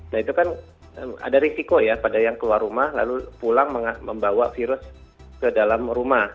nah itu kan ada risiko ya pada yang keluar rumah lalu pulang membawa virus ke dalam rumah